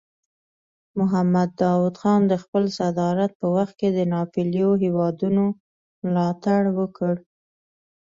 محمد داود خان د خپل صدارت په وخت کې د ناپېیلو هیوادونو ملاتړ وکړ.